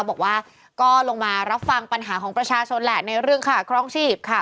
บอกว่าก็ลงมารับฟังปัญหาของประชาชนแหละในเรื่องค่าครองชีพค่ะ